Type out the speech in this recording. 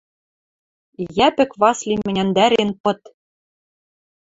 Йӓпӹк Васлим ӹняндӓрен пыт: